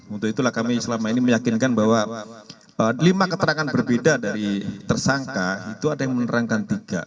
untuk itulah kami selama ini meyakinkan bahwa lima keterangan berbeda dari tersangka itu ada yang menerangkan tiga